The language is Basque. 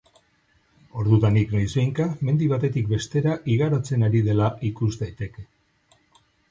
Ordudanik noizbehinka mendi batetik bestera igarotzen ari dela ikus daiteke.